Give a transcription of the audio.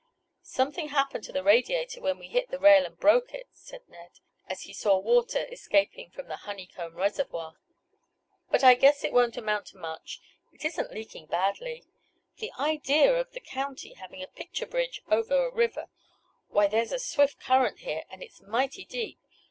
"Something happened to the radiator when we hit the rail and broke it," said Ned, as he saw water escaping from the honey comb reservoir. "But I guess it won't amount to much. It isn't leaking badly. The idea of the county having a picture bridge over a river! Why there's a swift current here, and it's mighty deep.